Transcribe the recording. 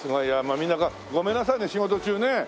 みんなごめんなさいね仕事中ね。